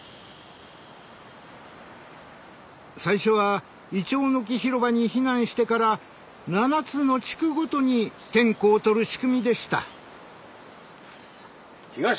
最初はいちょうの木広場に避難してから７つの地区ごとに点呼を取る仕組みでした。